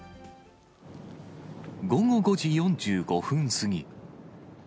午後５時４５分過ぎ。